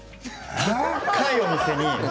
高いお店に。